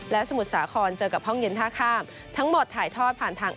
และสมุทรสาครเจอกับห้องเย็นท่าข้ามทั้งหมดถ่ายทอดผ่านทาง